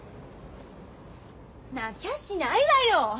泣きゃしないわよ。